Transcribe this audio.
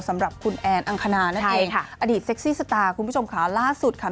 สำหรับคุณแอนอังคณานั่นเองค่ะอดีตเซ็กซี่สตาร์คุณผู้ชมค่ะล่าสุดค่ะ